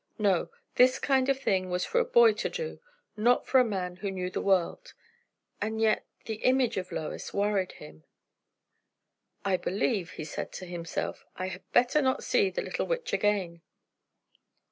No, this kind of thing was for a boy to do, not for a man who knew the world. And yet, the image of Lois worried him. I believe, he said to himself, I had better not see the little witch again.